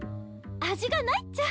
味がないっちゃ。